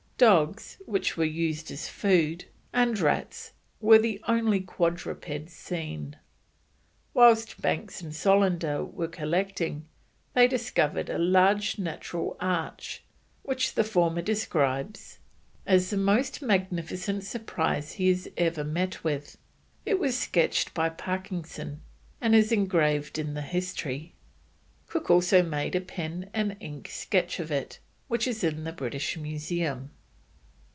Dogs, which were used as food, and rats were the only quadrupeds seen. Whilst Banks and Solander were collecting, they discovered a large natural arch, which the former describes as the most magnificent surprise he had ever met with. It was sketched by Parkinson, and is engraved in the History. Cook also made a pen and ink sketch of it, which is in the British Museum.